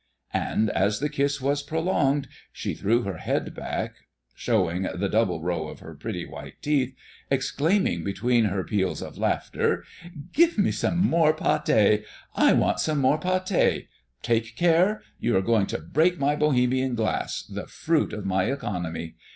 And as the kiss was prolonged, she threw her head back, showing the double row of her pretty white teeth, exclaiming between her peals of laughter, "Give me some more pâté! I want some more pâté! Take care! You are going to break my Bohemian glass, the fruit of my economy!